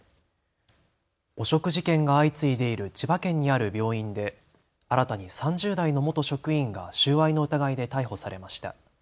汚職事件が相次いでいる千葉県にある病院で新たに３０代の元職員が収賄の疑いで逮捕されました。